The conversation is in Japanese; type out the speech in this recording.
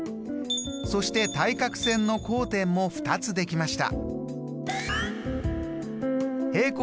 そして対角線の交点も２つできました。